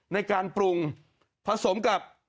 ในการปรุงผสมกับ